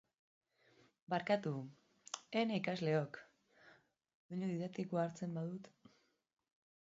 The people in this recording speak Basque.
Barkatu, ene ikasleok, doinu didaktikoa hartzen badut.